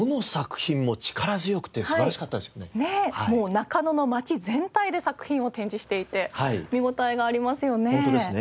もう中野の街全体で作品を展示していて見応えがありますよね。